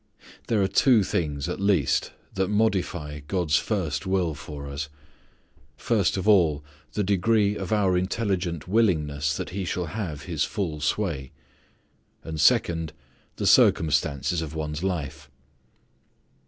There are two things, at least, that modify God's first will for us. First of all the degree of our intelligent willingness that He shall have His full sway. And second, the circumstances of one's life.